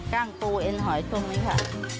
กล้างปูเอ็นหอยตรงนี้ค่ะ